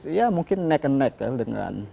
ya mungkin nek nek ya dengan